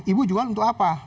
ibu jual untuk apa